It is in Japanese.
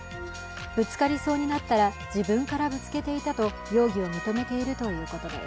ぶつかりそうになったら自分からぶつけていたと容疑を認めているということです。